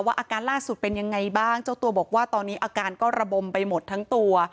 อาการล่าสุดเป็นยังไงบ้างเจ้าตัวบอกว่าตอนนี้อาการก็ระบมไปหมดทั้งตัว